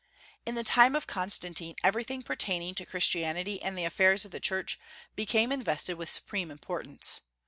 In the time of Constantine everything pertaining to Christianity and the affairs of the Church became invested with supreme importance.